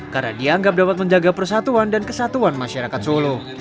karena dianggap dapat menjaga persatuan dan kesatuan masyarakat solo